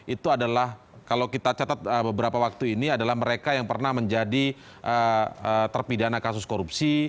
itu adalah kalau kita catat beberapa waktu ini adalah mereka yang pernah menjadi terpidana kasus korupsi